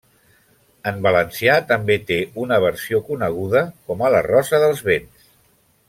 En valencià també té una versió coneguda com a La rosa dels vents.